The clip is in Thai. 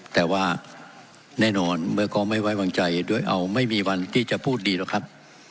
แต่ว่าแน่นอนเมื่อเขาไม่ไว้วางใจด้วยเอาไม่มีวันที่จะพูดดีหรอกครับ